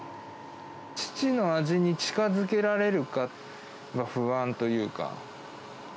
父の味に近づけられるかが不安というか。